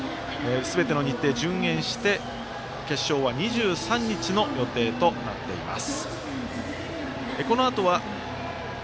すべての日程、順延して決勝は２３日の予定となっています。